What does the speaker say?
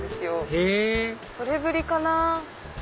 へぇそれぶりかなぁ。